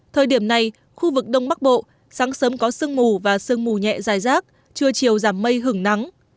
thời điểm này khu vực đông bắc bộ sáng sớm có sương mù và sương mù nhẹ dài rác trưa chiều giảm mây hứng nắng